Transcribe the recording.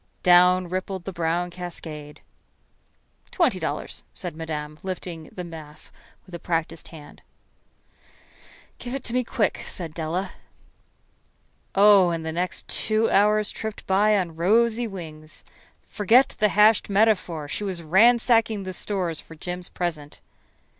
Down rippled the brown cascade. "Twenty dollars," said Madame, lifting the mass with a practiced hand. "Give it to me quick," said Della. Oh, and the next two hours tripped by on rosy wings. Forget the hashed metaphor. She was ransacking the stores for Jim's present.